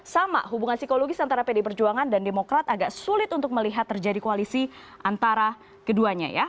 sama hubungan psikologis antara pdi perjuangan dan demokrat agak sulit untuk melihat terjadi koalisi antara keduanya ya